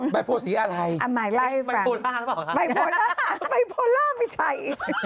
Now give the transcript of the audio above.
บายโพลาสีอะไรบายโพลาก่อนไม่ใช่